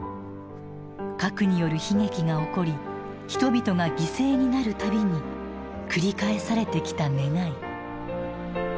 核による悲劇が起こり人々が犠牲になる度に繰り返されてきた願い。